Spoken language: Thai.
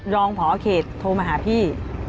รองพอเขตโทรมาหาพี่